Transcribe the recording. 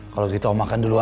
kalau gitu om makan duluan aja